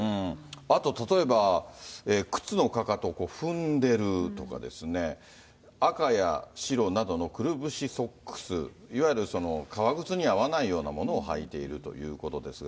あと例えば、靴のかかとを踏んでるとかですね、赤や白などのくるぶしソックス、いわゆる革靴には合わないようなものをはいているということですが。